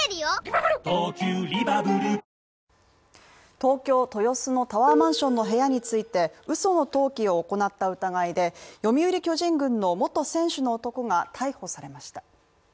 東京・豊洲のタワーマンションの部屋についてうその登記を行った疑いで読売巨人軍の元選手の男が逮捕されました。